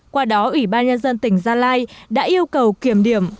qua đó ủy ban nhân dân tỉnh gia lai đã yêu cầu kiểm điểm